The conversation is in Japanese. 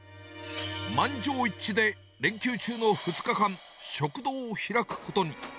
満場一致で、連休中の２日間、食堂を開くことに。